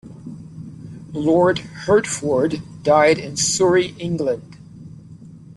Lord Hertford died in Surrey, England.